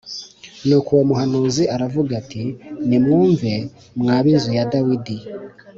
Nuko uwo muhanuzi aravuga ati nimwumve mwa b inzu ya Dawidi